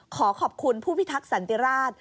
ขอขอบคุณผู้พิทักษันติราช